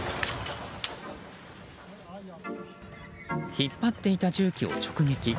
引っ張っていた重機を直撃。